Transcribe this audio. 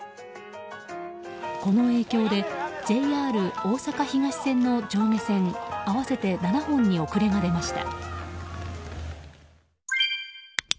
この影響でＪＲおおさか東線の上下線合わせて７本に遅れが出ました。